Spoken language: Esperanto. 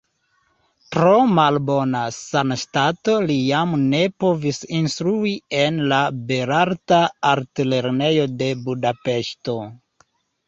Pro malbona sanstato li jam ne povis instrui en la Belarta Altlernejo de Budapeŝto.